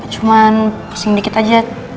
cuman pusing dikit aja